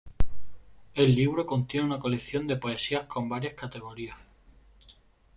El libro contiene una colección de poesía con varias categorías.